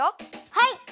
はい！